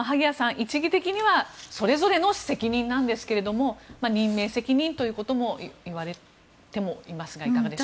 一義的にはそれぞれの責任なんですが任命責任ということも言われていますがいかがでしょうか？